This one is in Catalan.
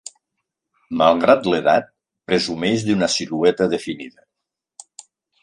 Malgrat l'edat, presumeix d'una silueta definida.